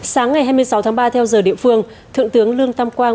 sáng ngày hai mươi sáu tháng ba theo giờ địa phương thượng tướng lương tam quang